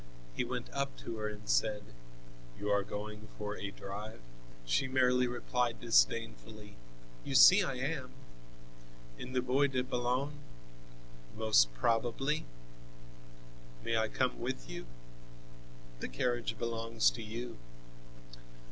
He went up to her and said: "You are going for a drive?" She merely replied disdainfully: "You see I am!" "In the Bois de Boulogne?" "Most probably." "May I come with you?" "The carriage belongs to you."